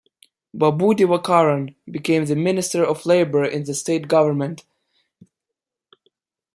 Babu Divakaran became the Minister of Labour in the state government.